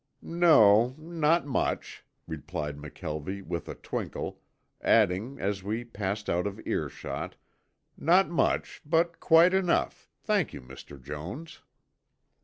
"No, not much," replied McKelvie with a twinkle, adding as we passed out of earshot, "not much but quite enough, thank you, Mr. Jones."